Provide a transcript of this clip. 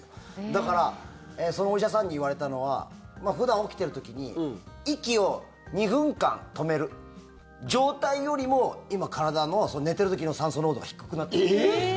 だからそのお医者さんに言われたのは普段起きてる時に息を２分間止める状態よりも今、体の、寝てる時の酸素濃度が低くなってる。